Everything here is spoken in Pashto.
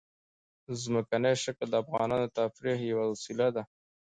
ځمکنی شکل د افغانانو د تفریح یوه وسیله ده.